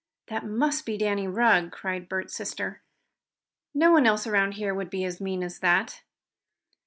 "That must be Danny Rugg!" cried Bert's sister. "No one else around here would be as mean as that!"